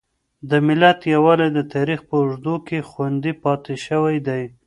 د ملت يووالی د تاريخ په اوږدو کې خوندي پاتې شوی دی.